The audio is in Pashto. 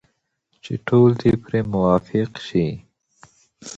چې ټول دې پرې موافق شي.